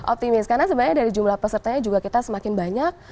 optimis karena sebenarnya dari jumlah pesertanya juga kita semakin banyak